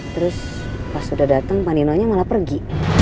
terus pas sudah datang pak nino nya malah pergi